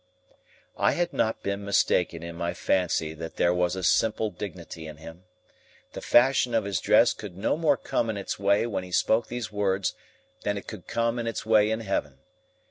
I had not been mistaken in my fancy that there was a simple dignity in him. The fashion of his dress could no more come in its way when he spoke these words than it could come in its way in Heaven.